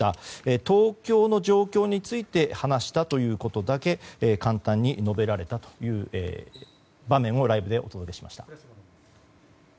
東京の状況について話したということだけ簡単に述べられたという場面もライブでお届けしました。